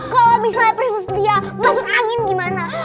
kalau misalnya prinsip lia masuk angin gimana